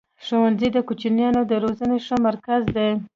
ښوونځی د کوچنیانو د روزني ښه مرکز دی.